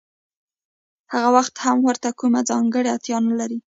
هغه وخت هم ورته کومه ځانګړې اړتیا نلري